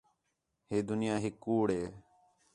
ہے دُنیا ہِک کُوڑ ہے